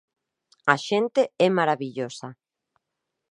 A xente é marabillosa.